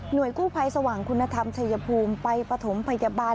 หน่วยคู่ภัยสว่างคุณธรรมชัยภูมิไปประถมพยาบาล